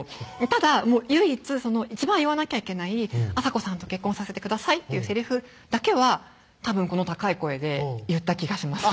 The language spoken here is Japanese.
ただ唯一一番言わなきゃいけない「亜沙子さんと結婚させてください」っていうセリフだけはたぶんこの高い声で言った気がします